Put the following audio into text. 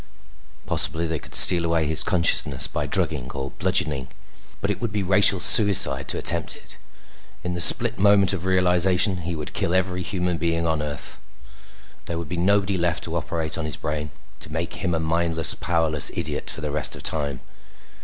Possibly they could steal away his consciousness by drugging or bludgeoning, but it would be racial suicide to attempt it. In the split moment of realization he would kill every human being on Earth. There would be nobody left to operate on his brain, to make him a mindless, powerless idiot for the rest of time.